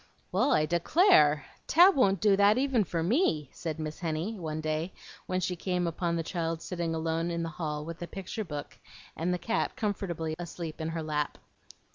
"Well, I declare! Tab won't do that even for me," said Miss Henny, one day when she came upon the child sitting alone in the hall with a picture book and the cat comfortably asleep in her lap.